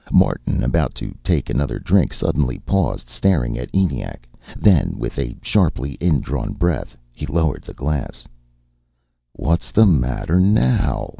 Martin, about to take another drink, suddenly paused, staring at ENIAC. Then, with a sharply indrawn breath, he lowered the glass. "What's the matter now?"